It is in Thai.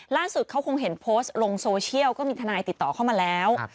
ล่าสุดเขาคงเห็นโพสต์ลงโซเชียลก็มีทนายติดต่อเข้ามาแล้ว